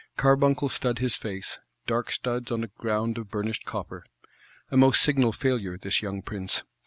Carbuncles stud his face; dark studs on a ground of burnished copper. A most signal failure, this young Prince!